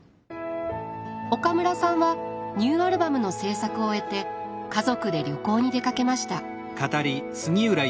岡村さんはニューアルバムの制作を終えて家族で旅行に出かけました。